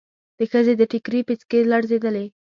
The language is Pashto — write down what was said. د ښځې د ټکري پيڅکې لړزېدلې.